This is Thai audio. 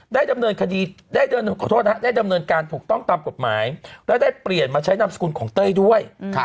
ได้ขอโทษนะฮะได้ดำเนินการถูกต้องตามกฎหมายและได้เปลี่ยนมาใช้นามสกุลของเต้ยด้วย